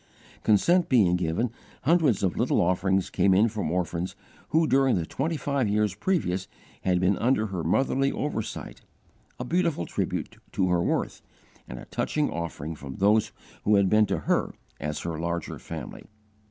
Consent being given, hundreds of little offerings came in from orphans who during the twenty five years previous had been under her motherly oversight a beautiful tribute to her worth and a touching offering from those who had been to her as her larger family.